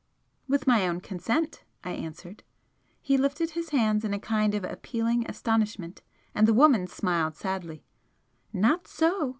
"With my own consent," I answered. He lifted his hands in a kind of appealing astonishment, and the woman smiled sadly. "Not so!"